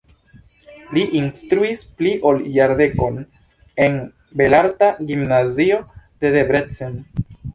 Li instruis pli ol jardekon en belarta gimnazio de Debrecen.